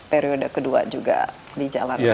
periode kedua juga dijalankan